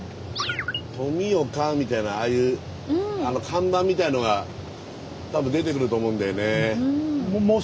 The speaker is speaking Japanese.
「富岡」みたいなああいう看板みたいなのが多分出てくると思うんだよね。